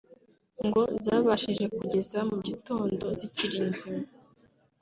ngo zabashije kugeza mu gitondo zikiri nzima